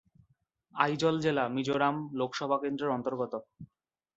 আইজল জেলা মিজোরাম লোকসভা কেন্দ্রের অন্তর্গত।